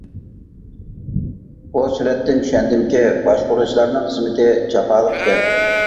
بۇ سۈرەتتىن چۈشەندىمكى باشقۇرغۇچىلارنىڭ خىزمىتى جاپالىق ئىكەن.